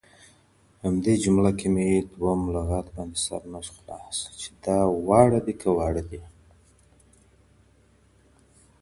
زه واړه مېلمنو ته نه شم تړلی.